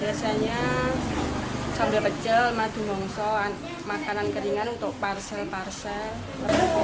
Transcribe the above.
biasanya sambal pecel madu mongso makanan keringan untuk parsel parsel